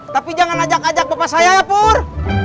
tapi jangan ajak ajak bapak saya ya pur